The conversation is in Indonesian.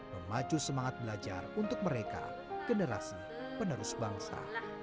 memacu semangat belajar untuk mereka generasi penerus bangsa